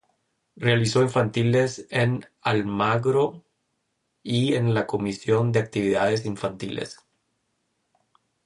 Realizó infantiles en Almagro y en la Comisión de Actividades Infantiles.